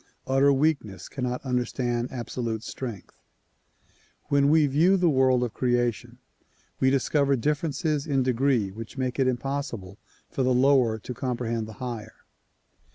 Utter weak ness cannot understand absolute strength. When we view the world of creation we discover differences in degree which make it impossible for the lower to comprehend the higher.